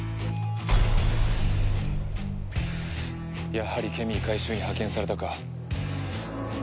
やはりケミー回収に派遣されたか。